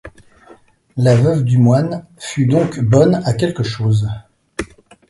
La veuve du moine fut donc bonne à quelque chose.